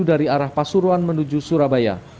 dari arah pasuruan menuju surabaya